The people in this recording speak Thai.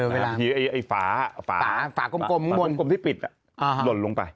เวลาที่ฝากกลมที่ปิดหล่นลงไป